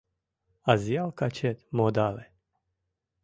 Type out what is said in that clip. Азъял качет модале.